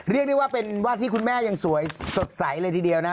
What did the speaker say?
เรียกได้ว่าเป็นวาดที่คุณแม่ยังสวยสดใสเลยทีเดียวนะ